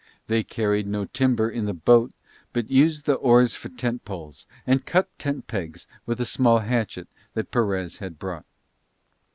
They carried no timber in the boat but used the oars for tent poles and cut tent pegs with a small hatchet that Perez had brought.